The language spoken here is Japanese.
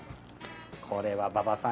これは馬場さん